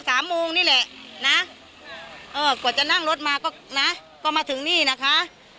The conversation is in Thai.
สามโมงนี่แหละนะเออกว่าจะนั่งรถมาก็นะก็มาถึงนี่นะคะ